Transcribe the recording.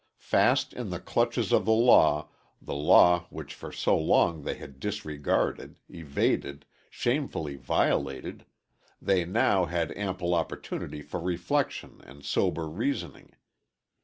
Fast in the clutches of the law, the law which for so long they had disregarded, evaded, shamefully violated, they now had ample opportunity for reflection and sober reasoning.